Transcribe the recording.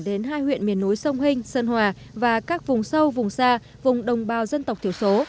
đến hai huyện miền núi sông hinh sơn hòa và các vùng sâu vùng xa vùng đồng bào dân tộc thiểu số